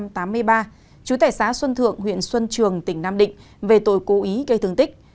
trú tẻ xá xuân thượng huyện xuân trường tỉnh nam định về tội cố ý gây thương tích